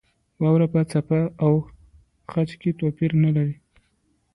واوره په څپه او خج کې توپیر نه لري.